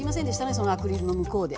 そのアクリルの向こうで。